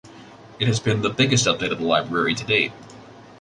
It has been the biggest update of the library to date.